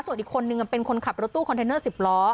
ส่วนอีกคนนึงเป็นคนขับรถตู้คอนเทนเนอร์๑๐ล้อ